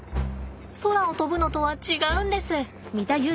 空を飛ぶのとは違うんです。